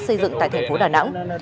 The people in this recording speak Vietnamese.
xây dựng tại tp đà nẵng